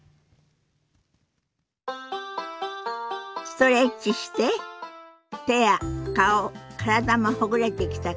ストレッチして手や顔体もほぐれてきたかしら？